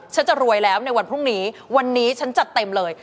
จะรวยแล้วในวันพรุ่งนี้วันนี้ฉันจัดเต็มเลย